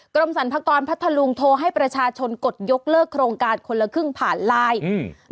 กรมสรรพากรพัทธลุงโทรให้ประชาชนกดยกเลิกโครงการคนละครึ่งผ่านไลน์อืม